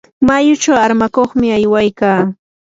mayuchu armakuqmi aywaykaa.